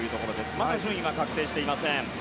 まだ順位は確定していません。